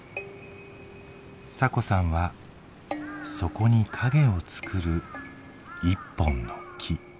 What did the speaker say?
サコさんはそこに陰をつくる一本の木。